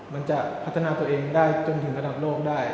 มันจะพัฒนาตัวเองได้จนถึงระดับโลกได้